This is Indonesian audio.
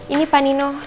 ini pak nino